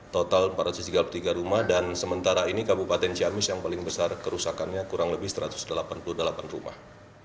total empat ratus tiga puluh tiga rumah dan sementara ini kabupaten ciamis yang paling besar kerusakannya kurang lebih satu ratus delapan puluh delapan rumah